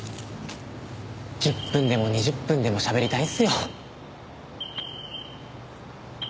１０分でも２０分でもしゃべりたいんすよ。